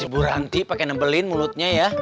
si bu ranti pakai nebelin mulutnya ya